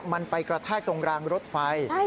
มันไปกระแทกตรงรางรถไฟ